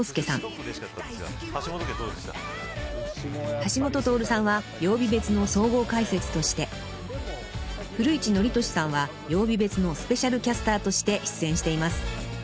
［橋下徹さんは曜日別の総合解説として古市憲寿さんは曜日別のＳＰキャスターとして出演しています］